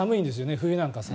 冬なんかは。